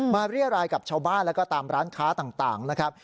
เรียรายกับชาวบ้านแล้วก็ตามร้านค้าต่างนะครับ